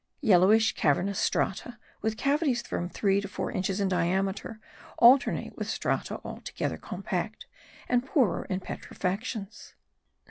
Yellowish cavernous strata, with cavities from three to four inches in diameter, alternate with strata altogether compact,* and poorer in petrifications.